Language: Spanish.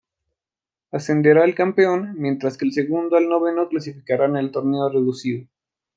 Ascenderá el campeón, mientras que del segundo al noveno clasificarán al torneo reducido.